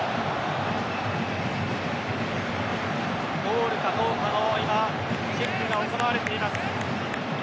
ゴールかどうかの今チェックが行われています。